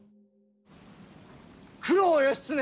九郎義経